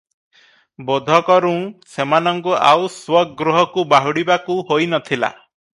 ବୋଧ କରୁଁ, ସେମାନଙ୍କୁ ଆଉ ସ୍ୱଗୃହକୁ ବାହୁଡ଼ିବାକୁ ହୋଇ ନ ଥିଲା ।